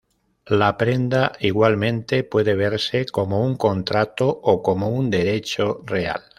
La prenda, igualmente puede verse como un contrato o como un derecho real.